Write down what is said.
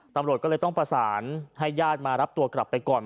ตำรวจก็เลยต้องประสานให้ญาติมารับตัวกลับไปก่อน